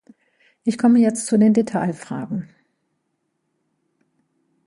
Ich komme jetzt zu den Detailfragen.